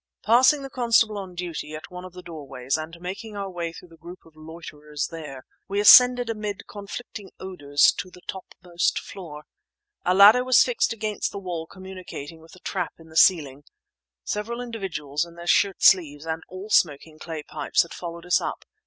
Passing the constable on duty at one of the doorways and making our way through the group of loiterers there, we ascended amid conflicting odours to the topmost floor. A ladder was fixed against the wall communicating with a trap in the ceiling. Several individuals in their shirt sleeves and all smoking clay pipes had followed us up.